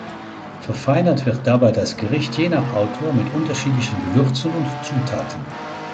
Verfeinert wird dabei das Gericht je nach Autor mit unterschiedlichen Gewürzen und Zutaten.